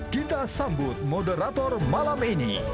kita sambut moderator malam ini